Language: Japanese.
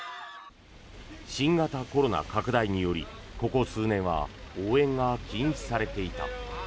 新型コロナ拡大によりここ数年は応援が禁止されていた。